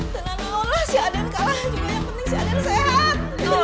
peninggsi ada yang sehat